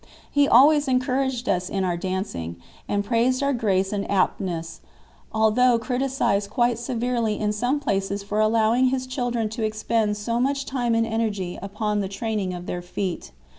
He always encouraged us in our dancing, and praised our grace and aptness, although criticized quite severely in some places for allowing his children to expend so much time and energy upon the training of their feet.